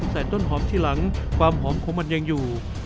แต่ต้นหอมทีหลังความหอมของมันยังอยู่